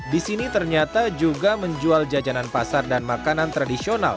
di sini ternyata juga menjual jajanan pasar dan makanan tradisional